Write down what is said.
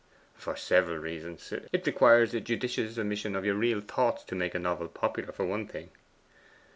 'For several reasons. It requires a judicious omission of your real thoughts to make a novel popular, for one thing.